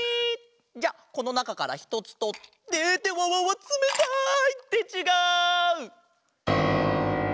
じゃあこのなかからひとつとってってわわわつめたい！ってちがう！